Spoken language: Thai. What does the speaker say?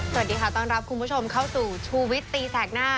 สวัสดีค่ะต้อนรับคุณผู้ชมเข้าสู่ชูวิตตีแสกหน้า